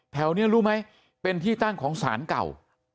แถวนี้รู้ไหมเป็นที่ตั้งของศาลเก่า